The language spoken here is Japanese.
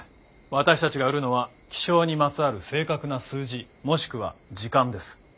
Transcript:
私たちが売るのは気象にまつわる正確な数字もしくは時間です。